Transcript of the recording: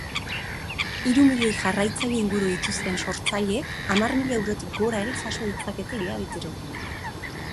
Hiru milioi jarraitzaile inguru dituzten sortzaileek hamar mila eurotik gora ere jaso ditzakete hilabetero.